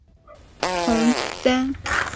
重檐歇山顶的拜亭。